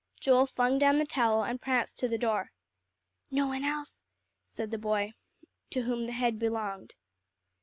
Joel flung down the towel, and pranced to the door. "No one else," said the boy to whom the head belonged.